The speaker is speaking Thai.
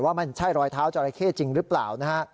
ว่ามันใช่รอยเท้าจราเข้จริงหรือเปล่านะฮะ